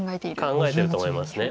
考えてると思います。